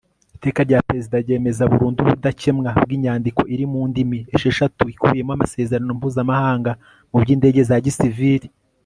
iteka rya perezida ryemeza burundu ubudakemwa bw'inyandiko iri mu ndimi esheshatu ikubiyemo amasezerano mpuzamahanga mu by'indege za gisivili